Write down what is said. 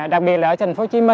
đặc biệt là ở tp hcm